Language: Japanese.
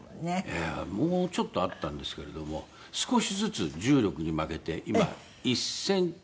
いやあもうちょっとあったんですけれども少しずつ重力に負けて今１．５センチほど縮みました。